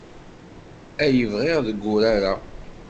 Ay bɣiɣ deg wurar-a.